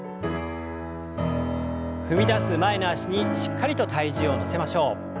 踏みだす前の脚にしっかりと体重を乗せましょう。